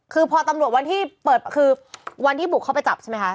คือพอตำรวจวันที่เปิดคือวันที่บุกเข้าไปจับใช่ไหมคะ